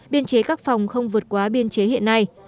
biên chế các phòng không vượt quá biên chế hiện nay